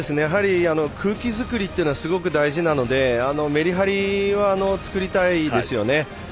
空気作りはすごく大事なのでメリハリは作りたいですよね。